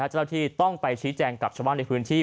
เจ้าหน้าที่ต้องไปชี้แจงกับชาวบ้านในพื้นที่